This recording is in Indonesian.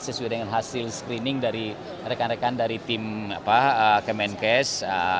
sesuai dengan hasil screening dari rekan rekan dari tim kemenkes